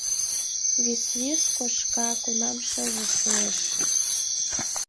Висвис кошка, кунам шыже шуэш.